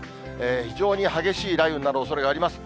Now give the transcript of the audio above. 非常に激しい雷雨になるおそれがあります。